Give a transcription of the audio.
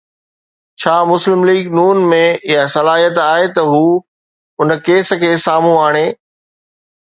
ڇا مسلم ليگ ن ۾ اها صلاحيت آهي ته هو ان ڪيس کي سامهون آڻي؟